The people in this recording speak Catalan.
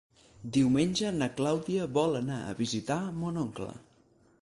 Diumenge na Clàudia vol anar a visitar mon oncle.